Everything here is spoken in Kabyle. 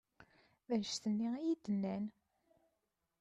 D annect-nni i yi-d-nnan.